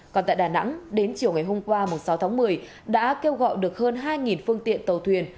còn tại đà nẵng đến chiều ngày hôm qua sáu tháng một mươi đã kêu gọi được hơn hai phương tiện tàu thuyền